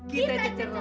kita cucur lagi ye